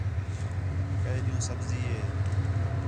کَئے ݙِین٘ہوں سبزی ہِے